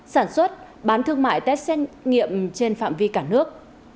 sản xuất bán thương mại test xét nghiệm trên phạm vi cả nước